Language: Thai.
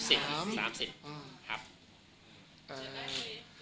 จัดได้เพื่อนที่เพื่อน